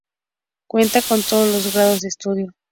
Cuenta con todos los grados de estudio.